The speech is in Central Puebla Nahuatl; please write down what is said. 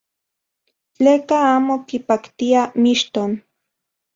Tleka amo kipaktia mixton.